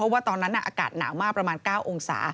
ว่าตอนนั้นอากาศหนาวมากประมาณ๙องศา